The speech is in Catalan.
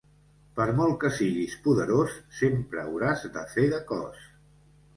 Per molt que siguis poderós, sempre hauràs de fer de cos.